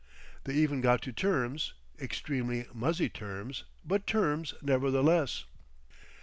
They even got to terms—extremely muzzy terms, but terms nevertheless.